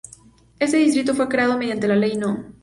Este distrito fue creado mediante Ley No.